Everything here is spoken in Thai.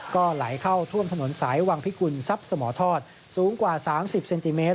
ก็ไหลเข้าท่วมถนนสายวังพิกุลทรัพย์สมทอดสูงกว่า๓๐เซนติเมตร